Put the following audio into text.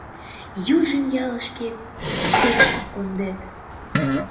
Южым ялышке пешак кондет!